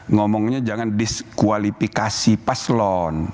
ngomongnya jangan diskualifikasi paslon